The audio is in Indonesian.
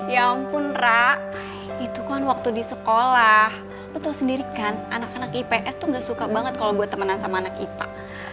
ya ampun ra itu kan waktu di sekolah lo tau sendiri kan anak anak ips tuh gak suka banget kalo gue temenan sama anak ipa